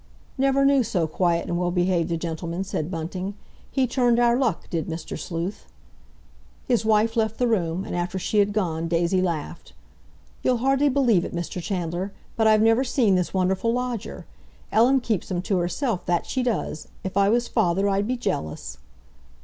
"Never knew so quiet and well behaved a gentleman," said Bunting. "He turned our luck, did Mr. Sleuth." His wife left the room, and after she had gone Daisy laughed. "You'll hardly believe it, Mr. Chandler, but I've never seen this wonderful lodger. Ellen keeps him to herself, that she does! If I was father I'd be jealous!"